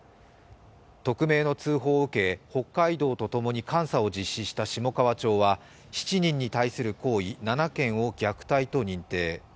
匿名の通報を受けて北海道とともに監査を実施した下川町は７人に対する行為、７件を虐待と認定。